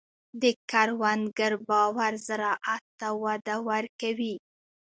د کروندګر باور زراعت ته وده ورکوي.